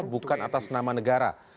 bukan atas nama negara